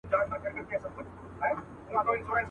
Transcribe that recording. د ژړي مازیګر منګیه دړي وړي سې چي پروت یې.